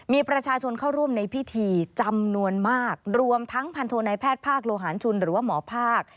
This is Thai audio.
มีประชาชนเข้าร่วมในพิธีจำนวนมากรวมทั้งพันโทนายแพทย์ภาคโลหารชุนหรือว่าหมอภาค